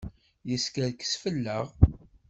Yeskerkes fell-aɣ.